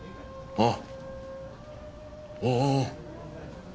あっ。